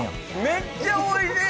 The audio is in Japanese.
めっちゃおいしい！